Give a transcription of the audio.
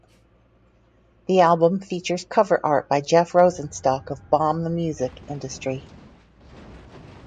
The album features cover art by Jeff Rosenstock of Bomb the Music Industry.